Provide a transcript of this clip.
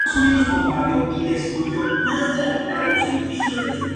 En la ausencia de documentos prevalecen diferentes teorías sobre el origen de la preparación.